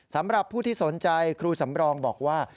สำหรับผู้ที่สนใจครูสำรองบอกว่า